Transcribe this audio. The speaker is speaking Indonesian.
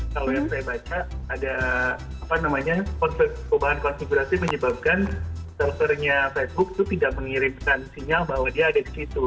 kalau yang saya baca ada perubahan konfigurasi menyebabkan servernya facebook itu tidak mengirimkan sinyal bahwa dia ada di situ